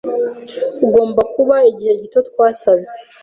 Ugomba kuba igihe gito twasabye.